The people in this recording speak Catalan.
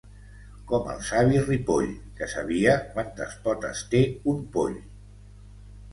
Com el savi Ripoll, que sabia quantes potes té un poll.